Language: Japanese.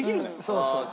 そうそう。